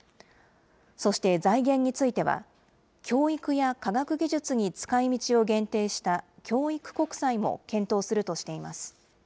そして財源については、教育や科学技術に使いみちを限定した教育国債も検討するとしています。